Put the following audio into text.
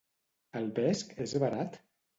El vesc és barat?